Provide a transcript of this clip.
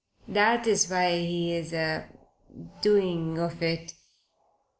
"That's why he's a doing of it.